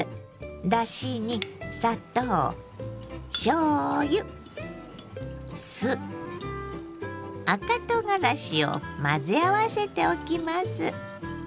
だしに砂糖しょうゆ酢赤とうがらしを混ぜ合わせておきます。